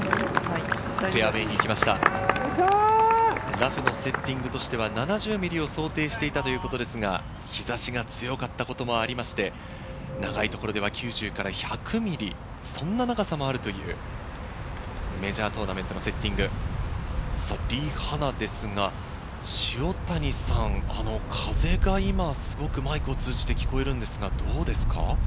ラフのセッティングとしては、７０ｍｍを想定していたということですが、日差しが強かったこともありまして、長い所では９０から１００ｍｍ、そんな長さもあるというメジャートーナメントのセッティング、リ・ハナですが、風が今、マイクを通じて聞こえるんですが、どうですか？